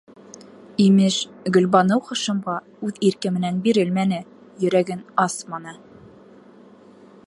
Имеш, Гөлбаныу Хашимға үҙ ирке менән бирелмәне, йөрәген асманы...